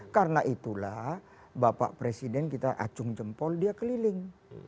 karena itulah bapak presiden kita acung jempol dia keliling